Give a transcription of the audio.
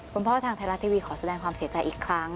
ทางไทยรัฐทีวีขอแสดงความเสียใจอีกครั้ง